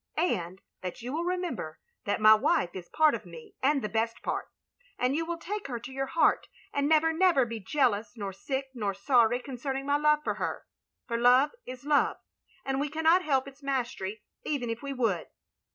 ''And that you will remember that my wife is part of me and the best part. ... and you will take her to your heart, and never, never be jealous nor sick nor sorry concerning my love for her; for Love is Love, and we cannot hel{> its mastery even if we would.